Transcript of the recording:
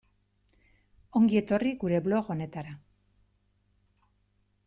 Ongi etorri gure blog honetara.